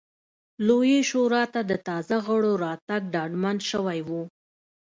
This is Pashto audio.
لویې شورا ته د تازه غړو راتګ ډاډمن شوی و.